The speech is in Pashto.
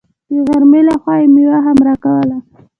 د غرمې له خوا يې مېوه هم راکوله.